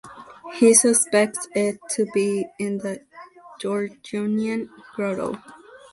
He suspects it to be in the Gorgonian Grotto.